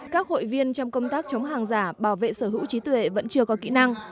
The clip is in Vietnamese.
các hội viên trong công tác chống hàng giả bảo vệ sở hữu trí tuệ vẫn chưa có kỹ năng